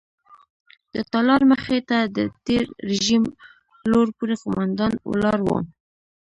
د تالار مخې ته د تېر رژیم لوړ پوړي قوماندان ولاړ وو.